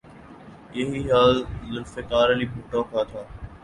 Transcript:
یہی حال ذوالفقار علی بھٹو کا تھا۔